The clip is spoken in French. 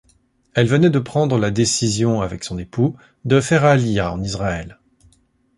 Elle venait de prendre la décision avec son époux de faire Aliya en Israël.